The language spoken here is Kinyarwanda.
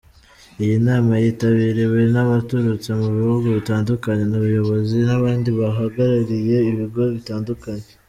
Iyi nama yitabiriwe n’abaturutse mu bihugu bitandukanye, abayobozi n’abandi bahagarariye ibigo bitandukanye.